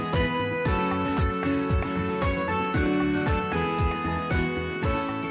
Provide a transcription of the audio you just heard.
สวัสดีครับ